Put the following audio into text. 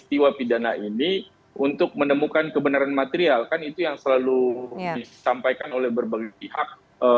peristiwa pidana ini untuk menemukan kebenaran material kan itu yang selalu disampaikan oleh berbagai pihak